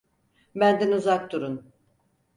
Benden uzak durun!